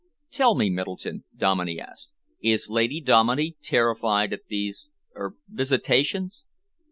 "Tell me, Middleton," Dominey asked, "is Lady Dominey terrified at these er visitations?"